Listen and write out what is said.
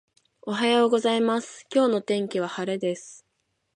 おはようございます、今日の天気は晴れです。